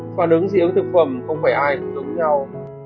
phản ứng dị ứng thực phẩm không phải ai đối với nhau